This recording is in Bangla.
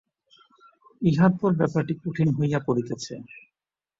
ইহার পর ব্যাপারটি কঠিন হইয়া পড়িতেছে।